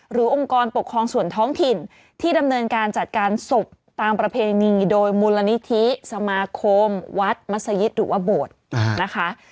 องค์กรปกครองส่วนท้องถิ่นที่ดำเนินการจัดการศพตามประเพณีโดยมูลนิธิสมาคมวัดมัศยิตหรือว่าโบสถ์นะคะ